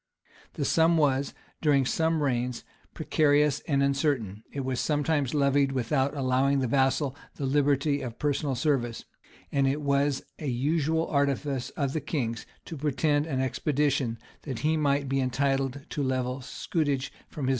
The sum was, during some reigns, precarious and uncertain; it was sometimes levied without allowing the vassal the liberty of personal service;[] and it was a usual artifice of the king's to pretend an expedition, that he might be entitled to levy the scutage from his military tenants.